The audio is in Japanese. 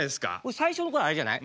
最初の頃はあれじゃない？